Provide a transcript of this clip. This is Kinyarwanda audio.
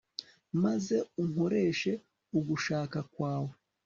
maze unkoreshe ugushaka kwawe